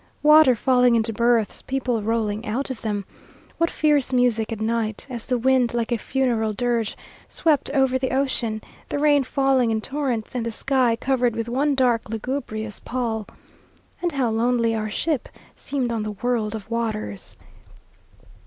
Water falling into berths, people rolling out of them. What fierce music at night, as the wind, like a funeral dirge, swept over the ocean, the rain falling in torrents, and the sky covered with one dark, lugubrious pall! And how lonely our ship seemed on the world of waters!